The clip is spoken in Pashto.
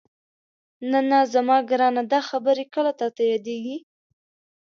نه نه زما ګرانه دا خبرې کله تاته یادېږي؟